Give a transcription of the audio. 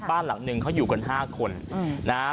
บ้านหลังหนึ่งเขาอยู่กัน๕คนนะฮะ